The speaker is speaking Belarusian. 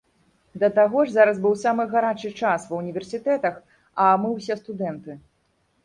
Да таго ж, зараз быў самы гарачы час ва ўніверсітэтах, а мы ўсе студэнты.